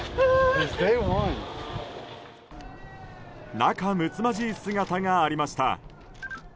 仲睦まじい姿がありました。